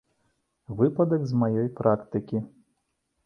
Выпадак з маёй практыкі.